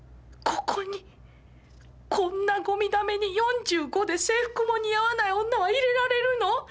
ここにこんなごみだめに４５で制服も似合わない女は入れられるの？